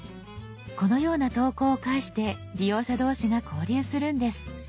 このような投稿を介して利用者同士が交流するんです。